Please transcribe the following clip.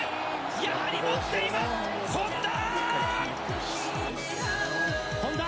やはり持っています、本田！